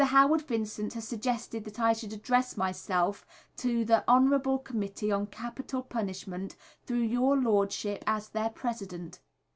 Howard Vincent has suggested that I should address myself to the Honourable Committee on Capital Punishment, through your Lordship as their President.